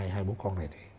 hai bố con này